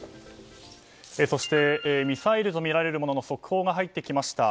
ミサイルとみられるものの速報が入ってきました。